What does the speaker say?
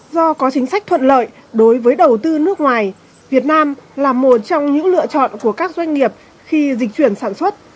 do có chính sách thuận lợi đối với đầu tư nước ngoài việt nam là một trong những lựa chọn của các doanh nghiệp khi dịch chuyển sản xuất